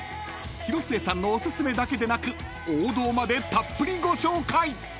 ［広末さんのお薦めだけでなく王道までたっぷりご紹介！］